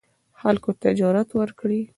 خلکو ته جرئت ورکړي